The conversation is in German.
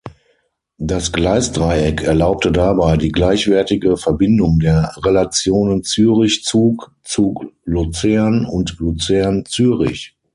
Das Gleisdreieck erlaubte dabei die gleichwertige Verbindung der Relationen Zürich–Zug, Zug–Luzern und Luzern–Zürich.